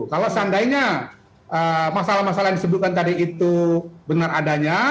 kalau seandainya masalah masalah yang disebutkan tadi itu benar adanya